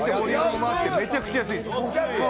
めちゃくちゃ安いんです。